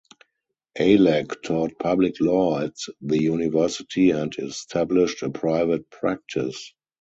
Alak taught Public Law at the university and established a private practice.